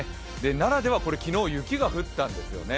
奈良では昨日、雪が降ったんですね